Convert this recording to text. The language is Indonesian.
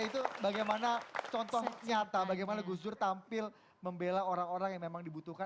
itu bagaimana contoh nyata bagaimana gus dur tampil membela orang orang yang memang dibutuhkan